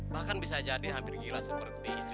bahkan bisa jadi hampir gila seperti istrinya haji mehmoed